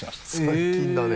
最近だね。